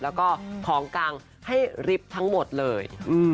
แล้วก็ของกลางให้ริบทั้งหมดเลย